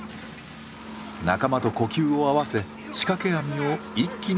仲間と呼吸を合わせ仕掛け網を一気に引き揚げます。